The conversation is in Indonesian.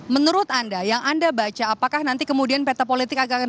menurut anda yang anda baca apakah nanti kemudian peta politik akan